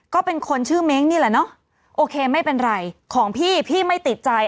ก็เป็นคนชื่อเม้งนี่แหละเนอะโอเคไม่เป็นไรของพี่พี่ไม่ติดใจ